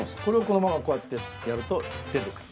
これをこのままこうやってやると出てくる。